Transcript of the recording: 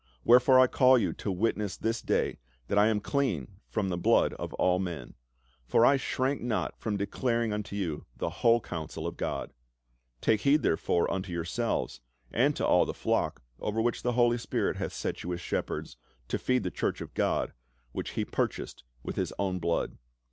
Wherefore I call you to witness this day that I am clean from the blood of all men. For I shrank not from declaring unto you the whole counsel of God. Take heed therefore unto yourselves, and to all the flock, over which the Holy Spirit hath set you as shepherds, to feed the church of God, which he purchased with his own blood.